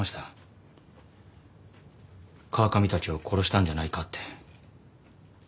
川上たちを殺したんじゃないかって。